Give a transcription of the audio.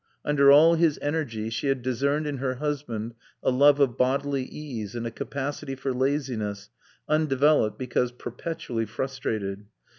Under all his energy she had discerned in her husband a love of bodily ease, and a capacity for laziness, undeveloped because perpetually frustrated.